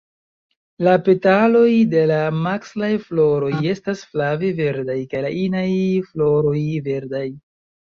La petaloj de la masklaj floroj estas flave verdaj kaj la inaj floroj verdaj.